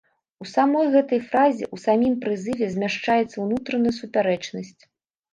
У самой гэтай фразе, у самім прызыве змяшчаецца ўнутраная супярэчнасць.